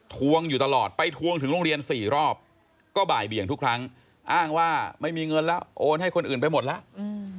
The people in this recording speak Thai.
ทวงอยู่ตลอดไปทวงถึงโรงเรียนสี่รอบก็บ่ายเบี่ยงทุกครั้งอ้างว่าไม่มีเงินแล้วโอนให้คนอื่นไปหมดแล้วอืม